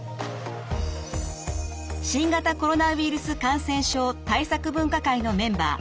新型コロナウイルス感染症対策分科会のメンバー